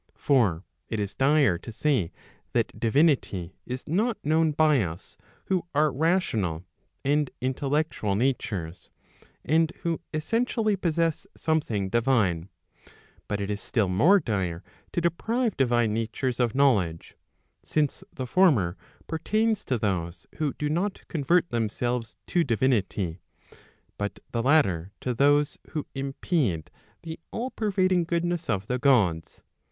For it is dire to say that divinity is not known by us who are rational and intellectual natures, and who essentially possess something divine; but it is still more dire to deprive divine natures of knowledge; since the former pertains to those who do not convert them¬ selves to divinity, but the latter to those who impede the all pervading goodness of the Gods.